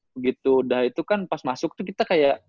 begitu udah itu kan pas masuk tuh kita kayak